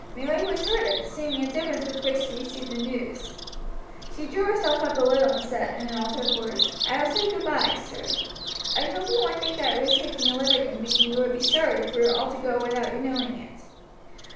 Mary was hurt at the seeming indifference with which he received the news. She drew herself up a little, and said, in an altered voice, "I will say goodby, sir. I hope you won't think I was taking a liberty in thinking you would be sorry if we were all to go without your knowing it."